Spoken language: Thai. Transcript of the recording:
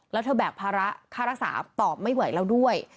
แล้วเธอแบกภาระค่ารักษาตอบไม่ไหวแล้วด้วย